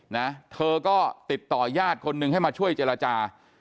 นะเธอก็ติดต่อยาดคนหนึ่งให้มาช่วยเจรจา